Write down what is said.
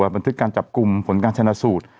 บันทึกการจับกลุ่มผลการชนะสูตร